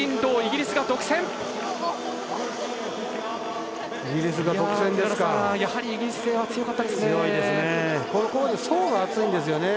寺田さん、やはりイギリス勢は強かったですね。